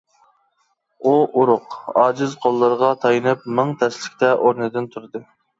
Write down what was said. ئۇ ئورۇق، ئاجىز قوللىرىغا تايىنىپ مىڭ تەسلىكتە ئورنىدىن تۇردى.